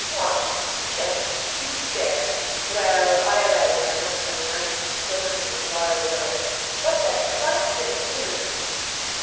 What! gentlemen, do you stare? Well, I allow there are not so many languages spoken in this vile world; but then, have I not been in the moon?